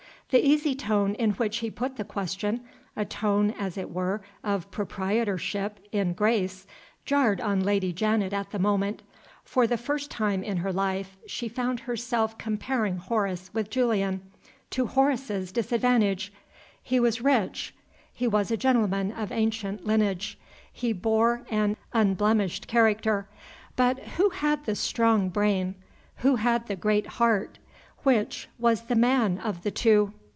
The easy tone in which he put the question a tone, as it were, of proprietorship in "Grace" jarred on Lady Janet at the moment. For the first time in her life she found herself comparing Horace with Julian to Horace's disadvantage. He was rich; he was a gentleman of ancient lineage; he bore an unblemished character. But who had the strong brain? who had the great heart? Which was the Man of the two?